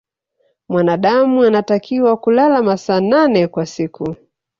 mwanadamu anatakiwa kulala masaa nane kwa siku